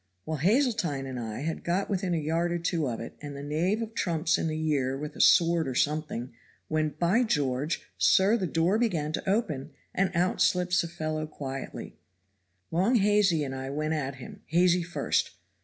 Well, Hazeltine and I had got within a yard or two of it and the knave of trumps in the rear with a sword or something, when, by George! sir, the door began to open, and out slips a fellow quietly. Long Hazy and I went at him, Hazy first.